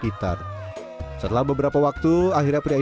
ketakutan seadakan nasi